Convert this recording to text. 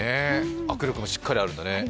握力もしっかりあるんだね。